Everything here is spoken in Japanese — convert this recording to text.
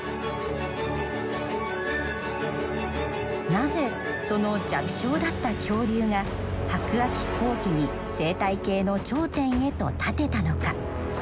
なぜその弱小だった恐竜が白亜紀後期に生態系の頂点へと立てたのか？